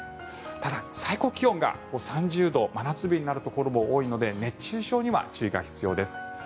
ただ、最高気温が３０度真夏日になるところも多いので熱中症には注意が必要です。